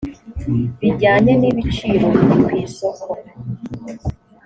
bijyanye n ibiciro biri ku isoko